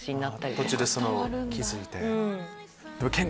途中で気付いて。